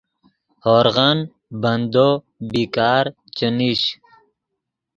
ہورغ بندو بیکار چے نیش